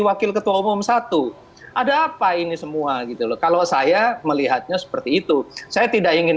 wakil ketua umum satu ada apa ini semua gitu loh kalau saya melihatnya seperti itu saya tidak ingin